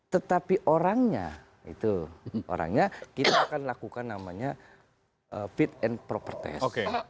tetapi orangnya itu orangnya kita akan lakukan namanya fit and proper test